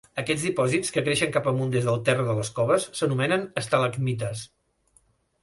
Aquests dipòsits, que creixen cap amunt des del terra de les coves, s'anomenen estalagmites.